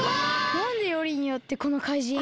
なんでよりによってこのかいじん？